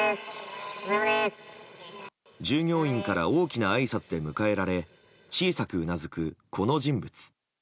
従業員から大きなあいさつで迎えられ小さくうなずく、この人物。